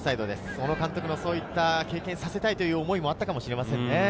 小野監督もそういった経験をさせたいという思いがあるかもしれませんね。